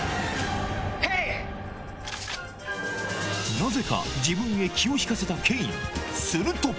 なぜか自分へ気を引かせたケインすると！